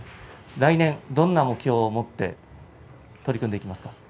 来年どんな目標を持って取り組んでいきますか？